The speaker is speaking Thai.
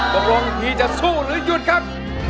ตกลงพีจะสู้หรือหยุดครับ